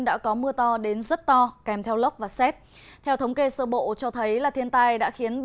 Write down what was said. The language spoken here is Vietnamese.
đã có mưa to đến rất to kèm theo lốc và xét theo thống kê sơ bộ cho thấy là thiên tai đã khiến